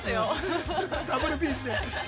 ◆ダブルピースで。